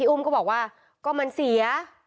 อุ้มก็บอกว่าก็มันเสีย